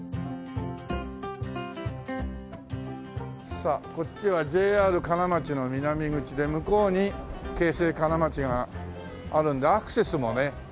さあこっちはＪＲ金町の南口で向こうに京成金町があるのでアクセスもね